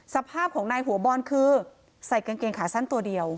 สภาพของนายหัวบอลคือใส่กางเกงขาสั้นตัวเดียว